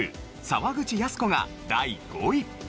沢口靖子が第５位。